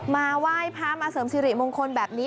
มาไหว้พระมาเสริมสิริมงคลแบบนี้